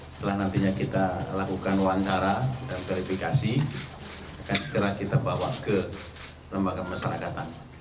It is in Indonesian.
setelah nantinya kita lakukan wawancara dan verifikasi akan segera kita bawa ke lembaga masyarakatan